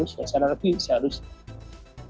saya harapin seharusnya